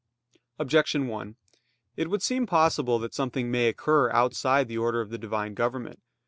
Objection 1: It would seem possible that something may occur outside the order of the Divine government.